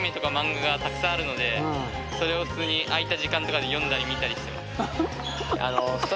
たくさんあるのでそれを普通に空いた時間とかで読んだり見たりしてます。